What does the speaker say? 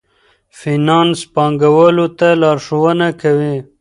فینانس پانګوالو ته لارښوونه کوي.